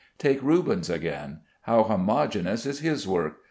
Take Rubens, again; how homogeneous is his work!